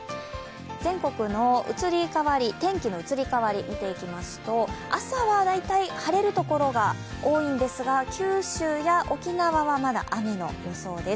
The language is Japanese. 全国の天気の移り変わり見ていきますと朝は大体晴れる所が多いんですけど九州や沖縄はまだ雨の予想です。